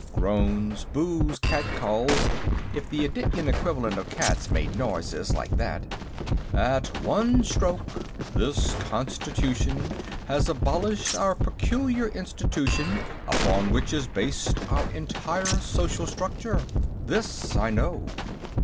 (Groans, boos; catcalls, if the Adityan equivalent of cats made noises like that.) "At one stroke, this Constitution has abolished our peculiar institution, upon which is based our entire social structure. This I know.